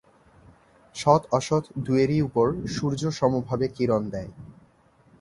সৎ অসৎ দুয়েরই উপর সূর্য সমভাবে কিরণ দেয়।